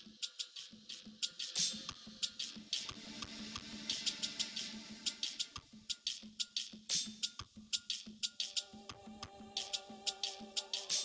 informasi dari web bran melewati ada di smart equipment saya aktifkan